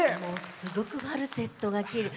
すごくファルセットがきれい。